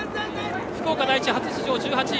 福岡第一、初出場で１８位。